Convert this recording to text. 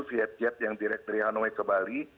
viet yang direct dari hanoi ke bali